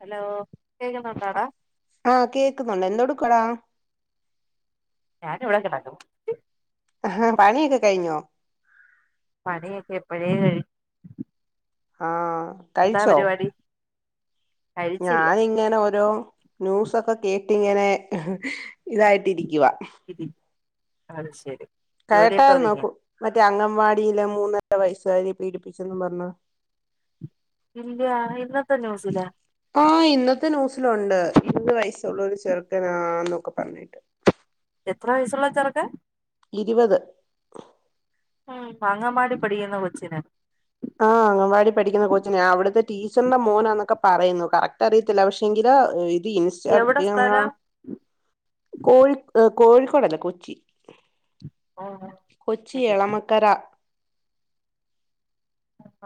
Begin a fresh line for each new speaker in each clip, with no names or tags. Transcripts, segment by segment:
Hello കേക്കുന്നുണ്ടാടാ
ആഹ് കേക്കുന്നുണ്ട് എന്നോടും ക്കൊടാ.
ഞാന് ഇവിടെ ക്കെടക്കും.
അഹാ പണിയൊക്കെ കഴിഞ്ഞോ?
പണിയൊക്കെ എപ്പഴേ കഴി
ആഹ്
എന്താ പരിപാടി? കഴിച്ചില്ല
ഞാന് ഇങ്ങനെ ഓരോ ന്യൂസ് ഒ ത്തെ കേട്ടിങ്ങനെ ഇതായിട്ടിരിക്കുവാ.
[unintelligible] അത് ശരി ജോലിയൊക്കെ
കേട്ടർ
ഒതുങ്ങിയ
നോക്കൂ മറ്റേ അങ്ങ വാടിയിലെ മൂന്നര വയസ്സുകായി പീഡിപ്പിച്ചന്ന് പറഞ്ഞു
ഇല്ലയാണ് ഇന്നത്തെ ന്യൂസില
ആ ഇന്നത്തെ ന്യൂസിലുണ്ട് മൂന്ന് വയസ്സുള്ളൂ ഒരു ചെറുക്കനാ നോക്ക പറന്നിട്ട്
എത്ര വൈസുള്ള ചറക്കെ
ഇരുപത്
ഉ അങ്ങമാടി പഠിക്കുന്ന കൊച്ചന
ആഹ അങ്ങവാടി പഠിക്കുന്ന കോച്ച ഞാൻ അവിടുത്തെ ടീച്ചറിന്റെ മോനാന്നൊക്കെ പറയുന്നു കറക്റ്റ് അറിയത്തില്ല പക്ഷെ എങ്കില് സ്
എവിടെ സ്ഥലം
കോഴ കോഴിക്കോട്ല്ലേ കൊച്ചി
ഓ
കൊച്ചി
ശരി
എളമക്കരാ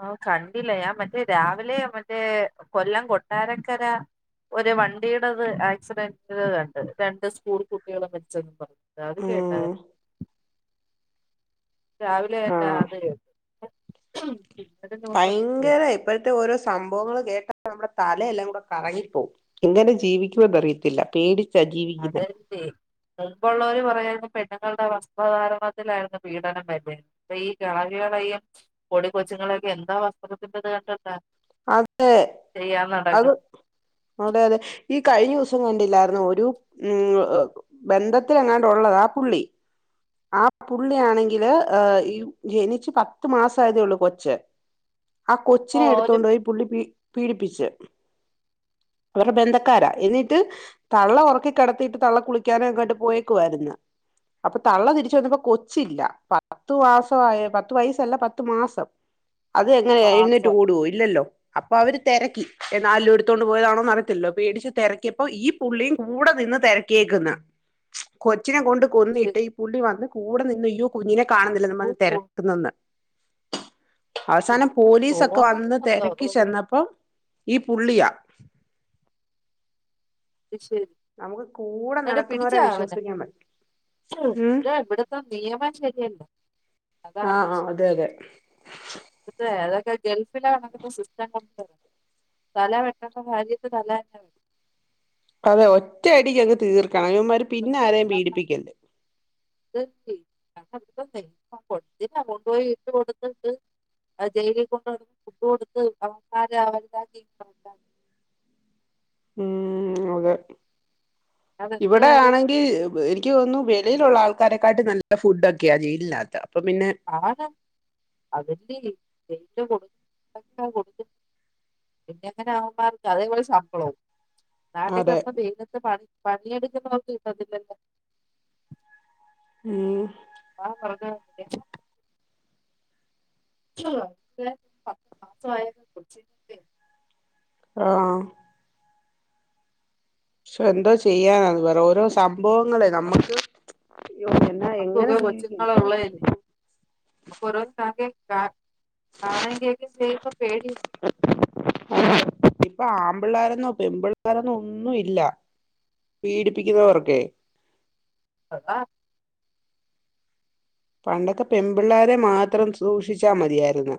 ഓ് കണ്ടില്ല മറ്റ അ രാവിലെ മേ കൊല്ലം കൊട്ടാരക്കര ഒരു വണ്ടിയടത് ആക്സിഡന്റ്ത് കണ്ട് രണ്ട് സ്കൂൾ കുട്ടികളും മരിച്ചെന്ന് പറഞ്ഞു അതത് കേട്ട
ഉം
രാവിലെ എന്ന
ആഹ്
അത പിന്നെസ
ഭയങ്കര ഇപ്പോഴത്തെ ഓരോ സംഭവങ്ങൾ കേട്ട നമ്മുടെ തലയെല്ലാം കൂടെ കറങ്ങിപ്പോകും എങ്ങനെ ജീവിക്കുമ എന്ന അറിയത്തില്ല പേടി
അതന്നെ മുമ്പൊള്ളോര് പറയുവാര്ന്ന് പെ നങ്ങളുടെ വസ്ത്രധാരണത്തിലായിരുന്നു പീഡനം വരുന്നേന്ന് ഇപ്പൊ ഈ കെളവികളേയും കൊടി കൊച്ചുങ്ങളെയൊക്കെ എന്തോ വസ്ത്രത്തിൻ്റേത് കണ്ടിട്ടാ
അതെ
ചെയ്യാൻ
അത്
നടക്കുന്നെ
അതെ അതെ ഈ കഴിഞ്ഞ ദീസം കണ്ടില്ലായിരുന്നോ ഒരു ഉം ഒ ഒ ബന്ധത്തിലെങ്ങാണ്ട് ഒള്ളതാ പുള്ളി ആ പുള്ളിയ ആണെങ്കില് ഈ ജനിച്ചു പത്ത് മാസ ആയതേ ഒള്ളൂ കൊച്ച് ആ
ഓ
കൊച്ചിനെ
ഒരു
എടുത്തോണ്ടു പോയി പുള്ളി പി പീഡിപ്പിച്ച് അവരുടെ ബന്ധക്കാരാ എന്നീട്ട് തള്ള ഒറക്കി കെടത്തീട്ട് തള്ള കുളിക്കാന എങ്ങാണ്ട്ട് പോയേക്കുവായിര്ന്ന് അപ്പൊ തള്ള തിരിച്ചു വന്നപ്പോ കൊച്ചില്ല പത്തു മാസം ആയ പത്തു വയസല്ല പത്തു മാസം അത്
പത്ത്
എങ്ങനെ എഴുന്നേറ്റ്
മാസം
ഓടുവോ ഇല്ലല്ലോ അപ്പൊ അവര് തെരക്കി എന്നാ അലും എടുത്തോണ്ട് പോയതാണോന്ന് അറിയത്തില്ലോ പേടിച്ച് തെരക്കിയപ്പോ ഈ പുള്ളിയും കൂടെ നിന്ന് തിരക്കിയേക്ക്ന്ന് കൊ ച്ചിനെ കൊണ്ട് കൊന്നിട്ടേ
ശരിക്കും
വര് വന്ന് കൂടെ നിന്ന് യ്യോ കുഞ്ഞിനെ കാണ്ന്നില്ലന്നും പറഞ്ഞ്
കൊണ്ടേ
തെരക്ക്ന്ന് എന്ന് അവസാനം
അങ്ങനെ
പോലീസൊക്കെ വന്ന്
തോന്നുന്നുണ്ടോ
തെരക്കി
ഒരു
ചെന്നപ്പോ ഈ പുള്ളിയാ
ദ്ശ്
നമുക്ക് കൂടെ
ന്നട
നടക്കുന്നവരെ
പിടിച്ചാ അവൻ്റെ
വിശ്വസിക്കാൻ പറ്റും ഉം
ഇാ ഇവ്ടത്തെ നിയമം ശരിയല്ലാ
ആ ആ അതെ അതെ
ഗൾഫില കണകക്കൊ സിസ്റ്റം കൊണ്ട് തല വെട്ടണ്ട കാര്യത്ത് തല അന്നെ വെ
അതെ ഒറ്റയടിക്കങ്ങ് തീർ കായകന്മാര് പിന്നെ ആരെയും പീഡിപ്പിക്കല്ല്
[inaudible] കൊണ്ടുപോയി ഇട്ട് കൊടുത്തിട്ട് ആ ജയിലി കൊണ്ട് ഫുഡ് കൊടുത്ത് അവക്ക [inaudible] വലുതാക്കി [inaudible]
ഉം അതെ
അതെന്ത്
ഇവിടെ
കാര്യം
ആണെങ്കി ഇവ് എനി ക്ക് തോന്നുന്നു വെളിയിലൊള്ള ആൾക്കാരെക്കാട്ട് നല്ല ഫുഡൊക്കെയാ ജെയിലിനാത്ത്
ആ അതല്ലേ [unintelligible] പിന്നെ എങ്ങനാ അവമാർക്ക് അതേപോലെ ശമ്പളോം നാട്ടി
അതെ
കെടന്ന് വെയിലത്ത് പണി പണിയെടുക്കുന്നവർക്ക് കിട്ടത്തില്ലല്ലേ
ഉം
[unintelligible] [unintelligible] പത്ത് മാസായ കുടിച്ചിട്ടില്ലേ
ആ ക്ഷെ എന്തോ ചെയ്യാനാന്ന് പറ ഓരോ സംഭവങ്ങളെ നമ്മക്ക്
പക്കൂ ഒക്കെ കൊച്ചുങ്ങളൊള്ളെ അ പ്പ ഓരോ [unintelligible] കാ കാണേം കേക്കേം ചെയ്യ്മ്പ പേടിയാ
പിള്ളേരെന്നോ പെമ്പുള്ളാരെന്നോ ഒന്നും ഇല്ല പീഡിപ്പിക്കുന്നവർക്കെ
അഥ
പണ്ടൊക്കെ പെമ്പിള്ളോരെ മാത്രം സൂക്ഷിച്ചാ മതിയായിരുന്നു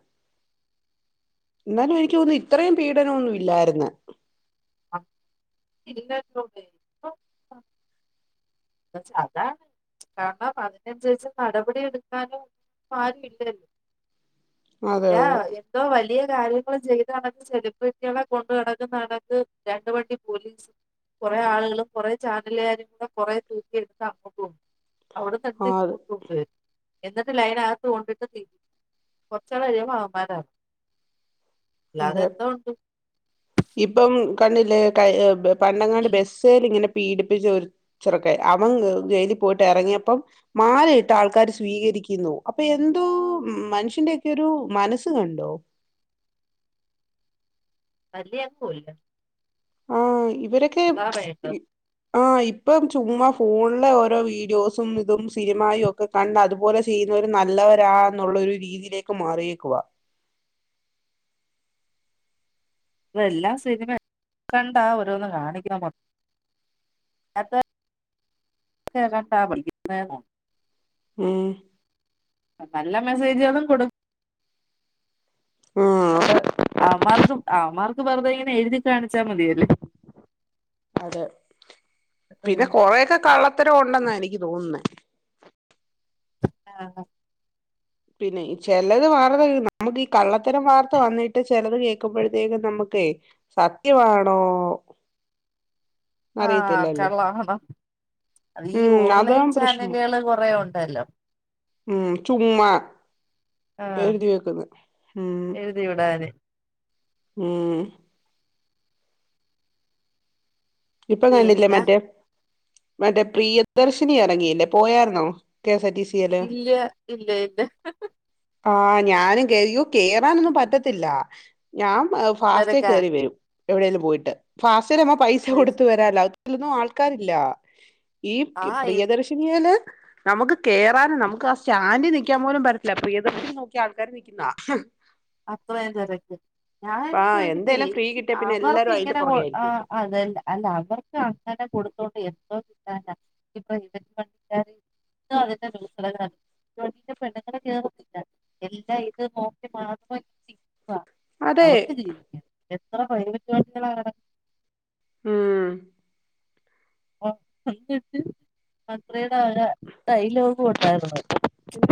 എന്നാലും എനിക്ക്‌ തോനുന്നു ഇത്രയും പീഡനൊന്നും ഇല്ലാരുന്നു
ഇല്ലോടെ അതാണ് കാരണം അതിനനുസരിച്ച് നടപടി എടുക്കാനും ആരും ഇല്ലല്ലോ
അതെ അതെ
എന്തോ വലിയ കാര്യങ്ങൾ ചെയ്ത സെലിബ്രിറ്റികളെ കൊണ്ട് കടക്കുന്നണക്ക് രണ്ട വണ്ടി പോലീസും കൊറെേ ആളുകളും കൊറേ ചാനലുകാരും കുറ [unintelligible] അവിടെ തട്ടി
ആ
ഇങ്ങോട്ടണ്ട് എന്നിട്ട് ലൈനകത്ത് കൊണ്ടിട്ട് തിരി കൊറച്ചാൾ കഴിയുമ്പോ അവന്മാര അല്ലാതെ
അതെ
എന്തോ ഉണ്ട്
ഇപ്പം കണില്ലേ പണ്ടങ്ങാട് ബസ്സേൽ ഇങ്ങനെ പീഡിപ്പിച്ച ഒരു ചെറുക്കൻ അവൻ ജയിലിൽ പോയിട്ട് ഇറങ്ങിയപ്പം മാലയിട്ട് ആൾക
തല്ല്യ കൊല്ല
ആ വരൊക്കെ ആഹ ഇപ്പം ചുമ്മാ ഫോണിലെ ഓരോ വീഡിയോസും ഇതും സിനിമയും ഒക്കെ കണ്ട് അതുപോലെ ചെയ്യുന്നവ നല്ലവരാ എന്നുള്ളരു രീതിയിലേക്ക് മാറിയേക്കവാ
ഇ എല്ലാ സിനിമ കണ്ടാ ഓരോന്ന് കാണിക്കുന്ന കണ്ട പടിക്കുന്നോ
ഉം
നല്ല മെസ്സേജേളും കൊടു
ആഹ്
അവൻമാർക്ക് അവമാർക്ക് വെറുതെ ഇങ്ങനെ എഴുതിക്കാണി
അതെ പിന്നെ
ഉം
കൊറെയൊക്കെ കള്ളത്തരം ഉണ്ടെന്നാ എനിക്ക് തോന്നുന്നേ.
ആഹ്
പിന്നെ ചെലത് വാർത്ത കേക്കുമ്പം നമുക്ക് ഈ കള്ളത്തരം വാർത്ത വന്നിട്ട് ചെലത് കേക്കുമ്പഴ്ത്തേക്കും നമ്മുക്കേ സത്യമാണോ
ആഹ്
അറിയത്തില്ലല്ലോ
കെള്ളാണോ
ഉം അതാ പ്രശ്നം
ചാനലുകള് കൊറേ ഉണ്ടല്ലോ
ഉം ചുമ്മ
ആഹ്
എഴുതി വെക്കുന്നെ ഉം
എഴുതി വിടാന്
ഉം ഇപ്പൊ കണ്ടില്ലേ
പിന്നെ
മറ്റേ മറ്റേ പ്രിയദർശിനി എറങ്ങിയല്ലേ പോയാരുന്നോ K S R T C
ഇല്ല ഇല്ല ഇല്ല
ആഹ് ഞാനും കേ ഇയ്യോ കേറാനൊന്നും പറ്റത്തില്ല ഞാൻ ഫാസ്റ്റേ
തിരക്കാ
കേറി വരും എവിടേലും പോയിട്ട് ഫാസ്റ്റേലാവുമ്പം കൊടുത്ത് വരാല്ലോ ലൊന്നും ആൾക്കാരില്ല ഈ
ആഹ്
പ്രിയദർശിനിയേല് നമുക്ക് കേറാനും നമുക്ക് ആ സ്റ്റാൻഡി നിക്കാൻ പോലും പറ്റത്തില്ല. പ്രിയദർശിനി നോക്കി ആൾക്കാര് നിക്കുന്നത.
അത്രയും തെരക്ക് ഞാൻ
ആ
ചോദിക്കട്ടെ
എന്തേലും ഫ്രീ കിട്ടിയ പിന്നെ
അവർക്ക്
എല്ലാരും അതിന്റെ
ഇങ്ങനെ കൊ
പുറകെ
ആഹ്
ആയിരിക്കുമല്ലോ
അതല്ല അല്ല അവർക്ക് അങ്ങനെ കൊടുത്തോണ്ട് എ [inaudible] പെണ്ണുങ്ങള് കേറത്തില്ല എല്ലാം ഇത് നോക്കി മാ [unintelligible]
അതെ
അവർക്ക് ജീവിക്ക എത്ര പൈവറ്റ് വണ്ടിയാണ് കെട
ഉം
[unintelligible] ഇതായി ലോകം ഉണ്ടായിരുന്നല്ലോ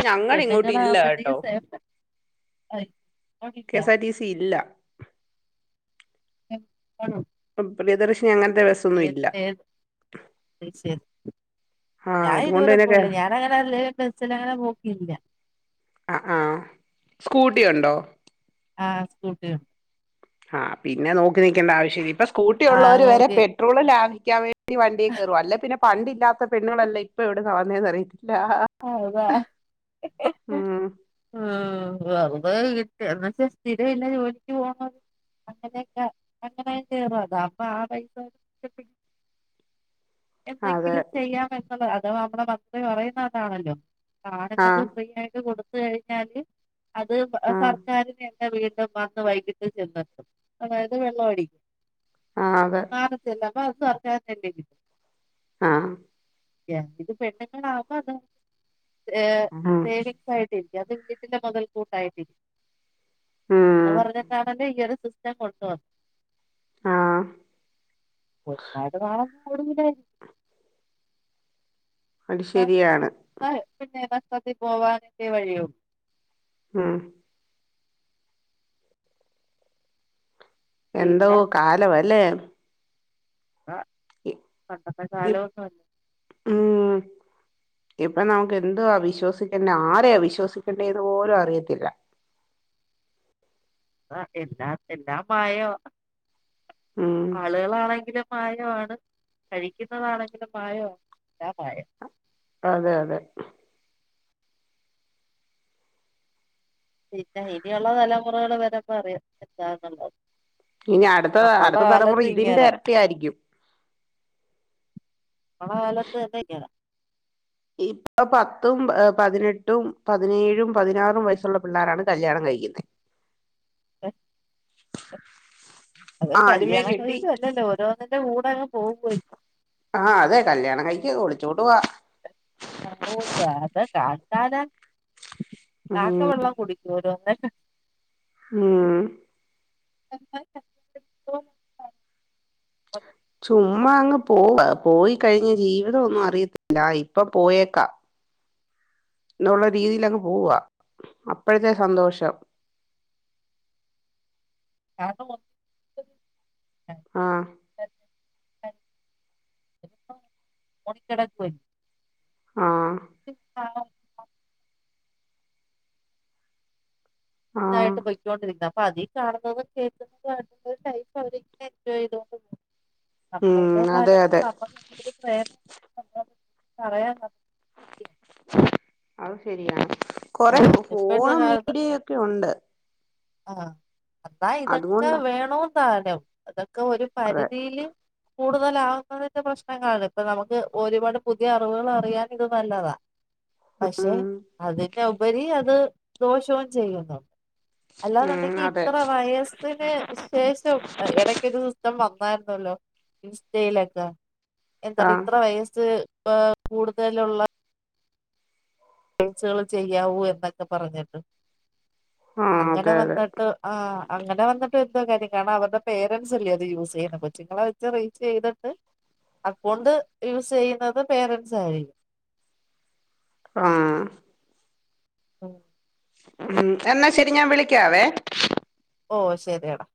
ഞങ്ങടെ ഇങ്ങോട്ട് ഇല്ല കേട്ടോ
പെണ്ണുങ്ങളാമ്പത്തേക്കും സേ
K S R T C ഇല്ല
ഏഹ് ആണോ
പ്രിയദർശിനി അങ്ങനത്തെ
[inaudible]
ബസ്സൊന്നും ഇല്ല
അത് ശരി
ആ
ഞാൻ
അതുകൊണ്ട്
ഇതുവരെ
തന്നെ കേ
പോയില്ല ഞാൻ അങ്ങനെ അല്ലേലും ബസ്സിലങ്ങനെ പോക്കില്ല
ആഹ് ആഹ് സ്കൂട്ടി ഒണ്ടോ
ആ സ്കൂട്ടി ഉണ്ട്
ആ പിന്നെ നോക്കി നിക്കേണ്ട ആവശ്യം ഇ സ്കൂട്ടി
ആഹ്
ഉള്ളവർ വരെ
നോക്കി
പെട്രോളിലാ കാൻ വേ വണ്ടി കയറും അല്ലേ പിന്നെ പണ്ടില്ലാത്ത പെണ്ണുകളല്ല ഇപ്പൊ ഇവിടെ വന്നന്ന്റിയില്ല
ആതാ
ഉം
ഉം വെറുത കിട്ടി സ്ഥിര ഇല്ല ജോലിക്ക് പോണത് അങ്ങനെയൊക്കെ അങ്ങന കേറ അതാവുമ്പ ആ പൈസ
അതെ
എന്തെങ്കിലും ചെയ്യാമ [unintelligible] ആണല്ലോ
ആഹ്
ആണുങ്ങക്ക് ഫ്രീ ആയിട്ട് കൊടു ത്ത് കഴിഞ്ഞാല് അത്
ആഹ്
സർക്കാരിനെ വീട്ടും വന്ന് വൈകിട്ട് ചെന്നിട്ടും അതായത് വെള്ളംടിക്കും
ആഹ് അതെ
മാറത്തില്ല [unintelligible]
ആ
ഇത് പെണ്ണങ്ങവാ അതെ ഏ
ഉം
സേവിങ്സായിട്ടിരിക്കും അത് വീടിൻറെ മുതൽക്കൂട്ടായിട്ടിരിക്കും അത്
ഉം
പറഞ്ഞട്ടാണല്ല ഇയറ് സിസ്റ്റം കൊണ്ടുവന്ന
ആഹ്
കുറച്ചു നാളേക്ക് കാണാം ഇവിടം വരെ
അത്
ആഹ്
ശരിയാണ്
ആ ആ പിന്നാ ത്തി പോവാനിട്ട വഴിയും
മ് എന്തോ
പിന്നെ
കാലംഅല്ലേ [unintelligible]
ആ പണ്ടത്തെ കാലം
ഇ-
ഒന്നുമല്ല
ഇപ്പ നമുക്ക് എന്ത്വ വിശ്വസിക്കണ്ടേ ആരയ അവിശ്വസിക്കണ്ടേ എന്ന് പോലും അറിയത്തില്ല
ആ എല്ലാ എല്ലാ മായവാ
ഉം
ആളുകളാണെങ്കിലും മാവായണ് കഴിക്കുന്നതാണെങ്കിലും മായവാ എല്ലാം മായവ
അതെ അതെ
പിന്നെ ഇനിയോള്ള തലമുറകള് വരമ്പം അറിയാം എന്താന്നൊള്ളത്
ഇനി അടുത്ത അടുത്ത തലമുറ ഇതിന്റെ
ഇങ്ങനെ
ഇരട്ടായിരിക്കും
നമ്മടെ കാലത്ത് തന്നെ ഇങ്ങനെ
ഇപ്പൊ പത്തും പതിനെട്ടും പതിനേഴും പതിനാറും വയസ്സുള്ള പിള്ളേരാണ് കല്യാണം കഴിക്കുന്നത്
ഏ അത്
ആദ്യമേ
കല്യാണം കഴിക്കു അല്ലല്ല ഓരോന്ന് ൻ്റെ കൂടങ്ങ്-
ആ അതെ കല്യാണം കഴി- ഒളിച്ചോട്വാ
അ അത കാ കാല ചാക്ക
ഉം
വെള്ളം കുടിക്കുംരോ [unintelligible]
ഉം
[unintelligible]
ചുമ്മാ അങ്ങ് പോവ പോയി കഴിഞ്ഞ ജീവിതംഒന്നും അറിയത്തില്ല ഇപ്പ പോയേക്കാ- എന്നുള്ള രീതിൽഅങ്ങ് പോവ്വ അപ്പോഴത്തെ സന്തോഷം
[unintelligible]
ആഹ്
പോയി കെടക്കുവല്ലിയോ
ആഹ്
[unintelligible] [unintelligible]
ആഹ്
ഇതായിട്ട് പൊയ്ക്കൊണ്ടിരിക്ക അപ്പ അതി കാണുന്നതും കേക്കുന്നതും ഒക്കെ ടൈപ്പ് അവര് എൻജോയ് ചെയ്തു
ഉം
നമ്മളുടെ
അതെ
കാലത്ത്
അതെ
നമുക്കൊരു പ്രേമം പറയങ്ങ
അത് ശരിയാണ് കൊറേ
ഇപ്പോഴത്തെ
ഫോണും മീഡിയയും ഒക്കെ ഉണ്ട്
ആ എന്നാ ഇതൊക്കെ
അതുകൊണ്ടാ
വേണോ സാധനംനം അതൊക്കെ ഒക്ക ഒരു
അതെ
പരിധിയില് കൂടുതലാകുന്നതിന്റെ പ്രശ്നങ്ങളാണ് ഇപ്പൊ നമുക്ക് ഒരുപാട് പുതിയ അറിവുകൾ അറിയാൻ ഇത് നല്ലതാണ് പക്ഷെ
ഉം
അതി അതിന് ഉപരി അത് ദോഷവും ചെയ്യുന്നു
ഉം
അല്ലാന്നുണ്ടെങ്കി
അതെ
ഇത്ര വയസ്സിന് ശേഷം ഇടക്കൊരു സിസ്റ്റം വന്നു രുന്നല്ലോ ഇൻസ്റ്റയിലൊക്കാ എന്താണ്
ആഹ്
ഇത്ര വയസ്സ് കൂടുതലുള്ള റീൽസുകള് ചെയ്യാവൂ എന്നൊക്കെ പറഞ്ഞിട്ട്
ആഹ്
അങ്ങനെ
അതെ അതെ
വന്നിട്ട് ആ അങ്ങനെ വന്നിട്ട് കാര്യ അവരുടെ പേരൻറ്സ് ഇല്ലോ യൂസ് ചെയ്യാൻ പറ്റും ഇങ്ങളെ [inaudible] റ ചെയ്തിട്ട് അക്കൗണ്ട് യൂസ് ചെയ്യുന്നത് പേരൻസ് ആയിരിക്കും
ആ
ഉം
ഉം എന്നാ ശരി ഞാൻ വിളിക്കാവേ
ഓ ശെരിയടാ